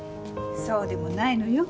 そうでもないのよ。